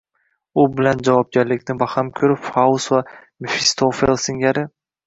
u bilan javobgarlikni baham ko‘rib, Faust va Mefistofel singari